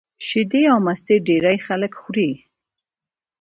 شیدې او مستې ډېری خلک خوري